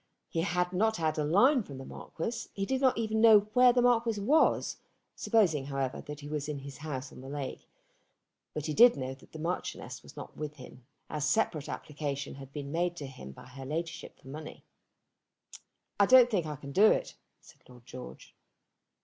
He had not had a line from the Marquis. He did not even know where the Marquis was, supposing, however, that he was in his house on the lake; but he did know that the Marchioness was not with him, as separate application had been made to him by her Ladyship for money. "I don't think I can do it," said Lord George.